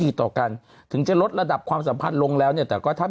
ต่อกันถึงจะลดระดับความสัมพันธ์ลงแล้วเนี่ยแต่ก็ถ้า